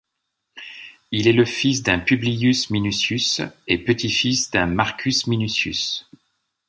Il est le fils d'un Publius Minucius et petit-fils d'un Marcus Minucius.